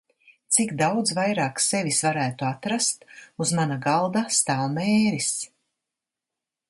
Cik daudz vairāk sevis varētu atrast? Uz mana galda stāv "Mēris".